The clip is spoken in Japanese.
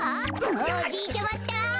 もうおじいちゃまったら。